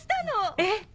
えっ！